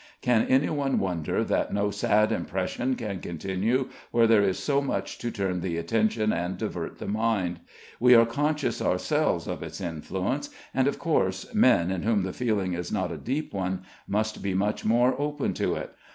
Can any one wonder that no sad impression can continue where there is so much to turn the attention and divert the mind? We are conscious ourselves of its influence; and, of course, men, in whom the feeling is not a deep one, must be much more open to it.